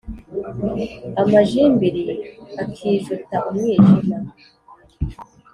amajimbiri akijuta umwijima